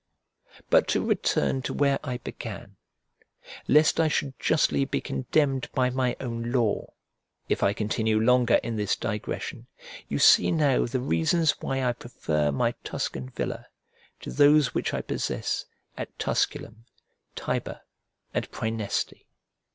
But to return to where I began, lest I should justly be condemned by my own law, if I continue longer in this digression, you see now the reasons why I prefer my Tuscan villa to those which I possess at Tusculum, Tiber, and Praeneste.